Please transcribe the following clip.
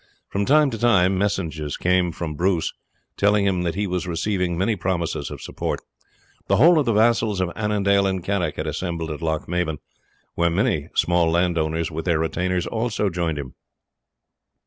From time to time messages came from Bruce, telling him that he was receiving many promises of support; the whole of the vassals of Annandale and Carrick had assembled at Lochmaben, where many small landowners with their retainers also joined him.